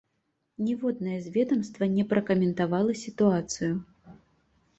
Ніводнае з ведамства не пракаментавала сітуацыю.